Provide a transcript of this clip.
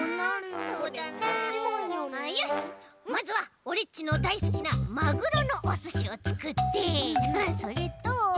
まずはオレっちのだいすきなマグロのおすしをつくってそれと。